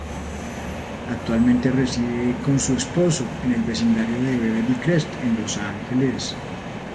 Actualmente reside con su esposo en el vecindario de Beverly Crest en Los Ángeles.